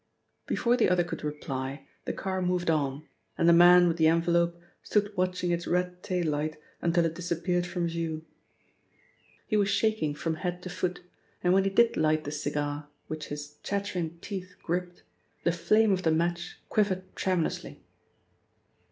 Before the other could reply the car moved on and the man with the envelope stood watching its red tail light until it disappeared from view. He was shaking from head to foot, and when he did light the cigar which his chattering teeth gripped, the flame of the match quivered tremulously.